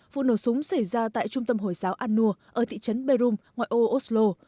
vụ nổ súng xảy ra tại trung tâm hồi giáo an nua ở thị trấn berum ngoại ô oslo